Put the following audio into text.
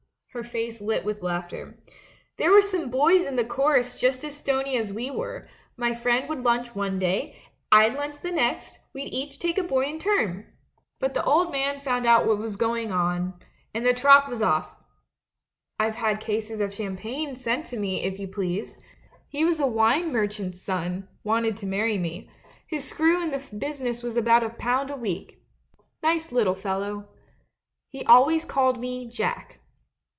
' Her face lit with laughter. 'There were some boys in the chorus just as stony as we were; my friend would lunch one day, and I'd lunch the next — we'd each take a boy in turn! But the 188 THE MAN WHO UNDERSTOOD WOMEN old man found out what was going on — and the Troc was off !... I've had cases of champagne sent me, if you please! He was a wine mer chant's son — wanted to marry me; his screw in the business was about a pound a week. Nice lit tle fellow. He always called me "Jack."